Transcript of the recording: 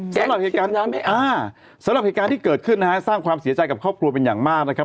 สำหรับเหตุการณ์ที่เกิดขึ้นสร้างความเสียใจกับครอบครัวเป็นอย่างมากนะครับ